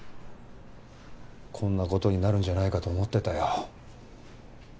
こんな事になるんじゃないかと思ってたよ。